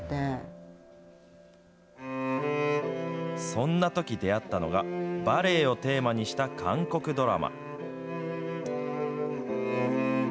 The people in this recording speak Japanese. そんなとき出会ったのが、バレエをテーマにした韓国ドラマ。